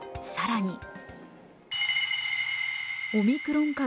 更に。